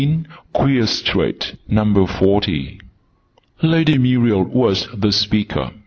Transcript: QUEER STREET, NUMBER FORTY. Lady Muriel was the speaker.